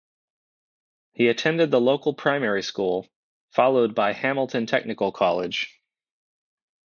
He attended the local primary school, followed by Hamilton Technical College.